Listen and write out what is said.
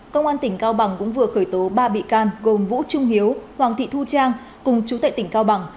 cơ quan tỉnh cao bằng cũng vừa khởi tố ba bị can gồm vũ trung hiếu hoàng thị thu trang cùng chủ tệ tỉnh cao bằng